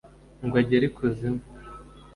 ngo agere i kuzimu